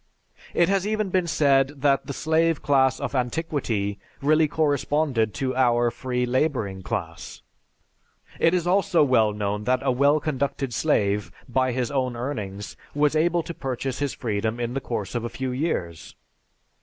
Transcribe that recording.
It has even been said that the slave class of antiquity really corresponded to our free laboring class. It is also well known that a well conducted slave, by his own earnings, was able to purchase his freedom in the course of a few years.